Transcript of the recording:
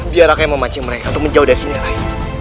biar raka yang memancing mereka untuk menjauh dari sini rai